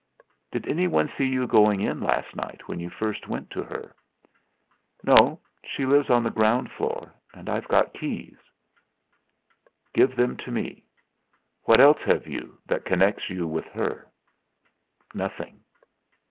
"Did anyone see you going in last night, when you first went to her?" "No. She lives on the ground floor. I've got keys." "Give them to me. What else have you that connects you with her?" "Nothing."